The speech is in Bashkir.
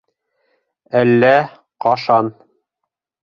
Әллә ҡашан...